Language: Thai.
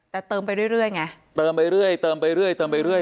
แต่เติมไปเรื่อยไงเติมไปเรื่อยเติมไปเรื่อยเติมไปเรื่อย